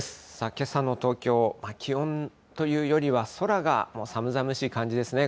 けさの東京、気温というよりは、空がもう寒々しい感じですね。